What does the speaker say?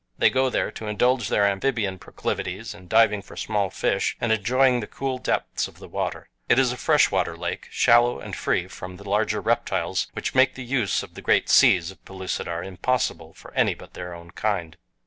They go there to indulge their amphibian proclivities in diving for small fish, and enjoying the cool depths of the water. It is a fresh water lake, shallow, and free from the larger reptiles which make the use of the great seas of Pellucidar impossible for any but their own kind.